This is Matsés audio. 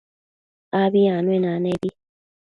Abi anuenanebi